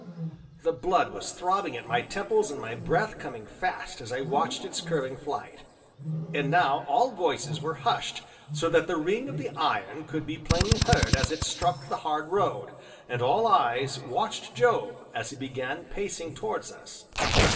The blood was throbbing at my temples and my breath coming fast as I watched its curving flight. And now all voices were hushed so that the ring of the iron could be plainly heard as it struck the hard road, and all eyes watched Job, as he began pacing towards us.